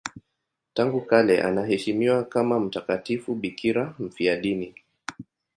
Tangu kale anaheshimiwa kama mtakatifu bikira mfiadini.